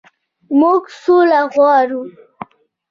موږ سوله غواړو